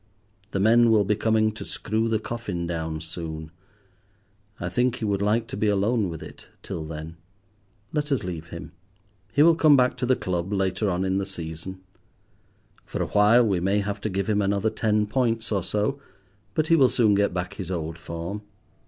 The men will be coming to screw the coffin down soon. I think he would like to be alone with it till then. Let us leave him. He will come back to the club later on in the season. For a while we may have to give him another ten points or so, but he will soon get back his old form.